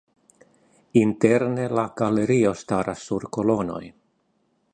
Interne la galerio staras sur kolonoj.